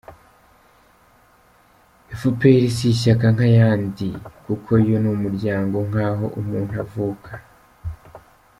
efuperi si ishyaka nk’ayandi kuko yo ni Umuryango nk’aho umuntu avuka